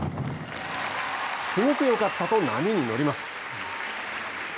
すごくよかったと波に乗ります。